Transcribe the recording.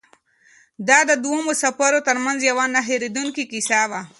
دا د دوو مسافرو تر منځ یوه نه هېرېدونکې کیسه وه.